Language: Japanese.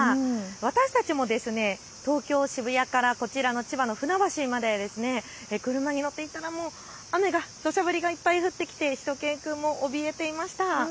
私たちも東京渋谷からこちら、千葉の船橋まで車に乗っていたら雨が降ってしゅと犬くんもおびえていました。